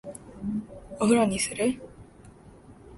お風呂にする？